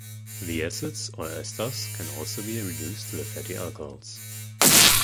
The acids or esters can also be reduced to the fatty alcohols.